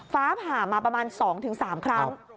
ฟ้าผ่ามาประมาณ๒๓ครั้ง